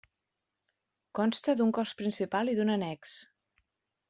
Consta d'un cos principal i d'un annex.